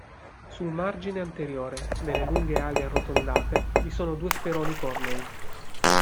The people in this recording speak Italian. Sul margine anteriore delle lunghe ali arrotondate vi sono due speroni cornei.